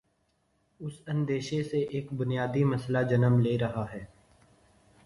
اس اندیشے سے ایک بنیادی مسئلہ جنم لے رہاہے۔